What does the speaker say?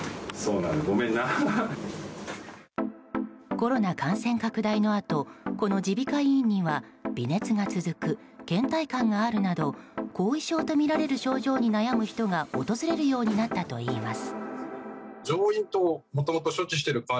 コロナ感染拡大のあとこの耳鼻科医院には微熱が続く、倦怠感があるなど後遺症とみられる症状に悩む人が訪れるようになったといいます。